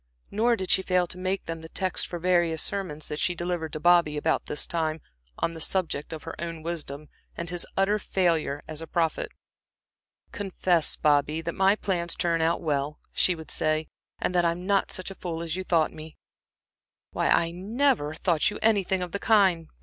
Nor did she fail to make them the text for various sermons that she delivered to Bobby about this time, on the subject of her own wisdom, and his utter failure as a prophet. "Confess, Bobby, that my plans turn out well," she would say, "and that I'm not such a fool as you thought me." "Why, I never," Bobby would protest, "thought you anything of the kind."